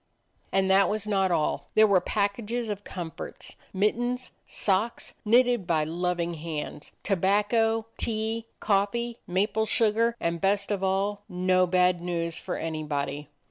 And that was not all: there were packages of comforts; mittens, socks, knitted by loving hands; tobacco, tea, coffee, maple sugar; and, best of all, no bad news for anybody.